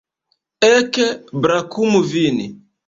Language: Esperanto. Ek, brakumu vin!